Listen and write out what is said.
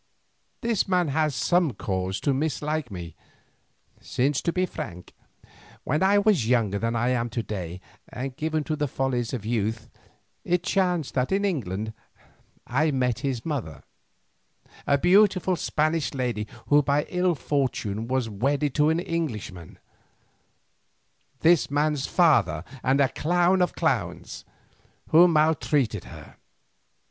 This man has some cause to mislike me, since to be frank, when I was younger than I am to day and given to the follies of youth, it chanced that in England I met his mother, a beautiful Spanish lady who by ill fortune was wedded to an Englishman, this man's father and a clown of clowns, who maltreated her.